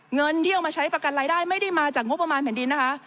เงินที่เอามาใช้ประกันรายได้ไม่ได้มาจากงบประมาณแผ่นดินนะคะ